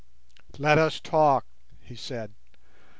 "Let us talk," he said.